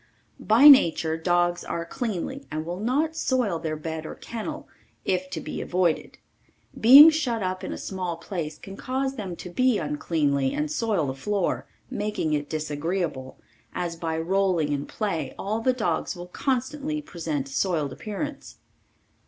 By nature dogs are cleanly and will not soil their bed or kennel if to be avoided. Being shut up in a small place may cause them to be uncleanly and soil the floor, making it disagreeable, as by rolling in play all the dogs will constantly present soiled appearance.